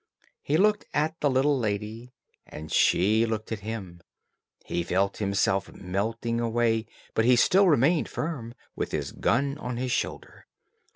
He looked at the little lady, and she looked at him. He felt himself melting away, but he still remained firm with his gun on his shoulder.